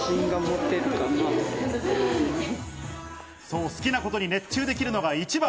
そう、好きなことに熱中できるのが一番。